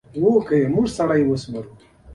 لکه زهره لکه پروین ورکړه